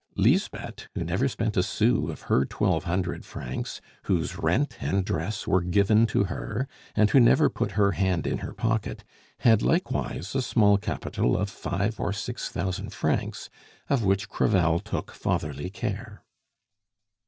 Lisbeth, who never spent a sou of her twelve hundred francs, whose rent and dress were given to her, and who never put her hand in her pocket, had likewise a small capital of five or six thousand francs, of which Crevel took fatherly care.